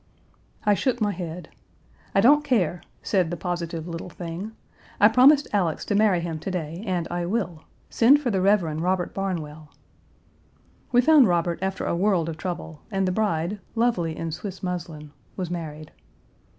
I shook my head. 'I don't care,' said the positive little thing, 'I promised Alex to marry him to day and I will. Send for the Rev. Robert Barnwell.' We found Robert after a world of trouble, and the bride, lovely in Swiss muslin, was married.